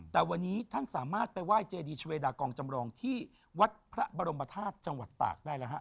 แต่วันนี้ท่านสามารถไปไหว้เจดีชเวดากองจำรองที่วัดพระบรมธาตุจังหวัดตากได้แล้วฮะ